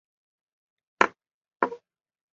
腺萼越桔为杜鹃花科越桔属下的一个种。